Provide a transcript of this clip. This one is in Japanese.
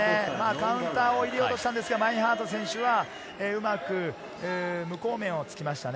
カウンターを入れようとしたんですが、マインハート選手は、うまく無効面を突きましたね。